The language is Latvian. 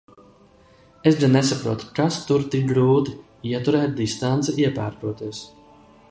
Es gan nesaprotu, kas tur tik grūti – ieturēt distanci iepērkoties.